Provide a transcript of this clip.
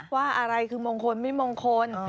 ว่าอะไรคือมงคลไม่มงคล